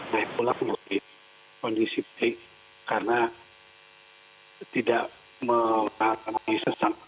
naik pula pula kondisi baik karena tidak meratakan sesak